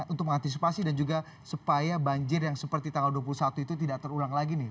untuk mengantisipasi dan juga supaya banjir yang seperti tanggal dua puluh satu itu tidak terulang lagi nih